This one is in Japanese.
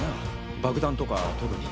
爆弾とか特に。